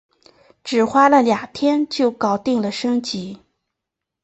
只花了两天就搞定了升级